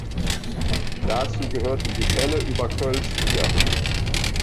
Dazu gehörten die Fälle über Kölsch-Bier.